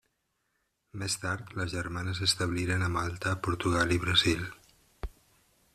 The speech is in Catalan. Més tard, les germanes establiren a Malta, Portugal i Brasil.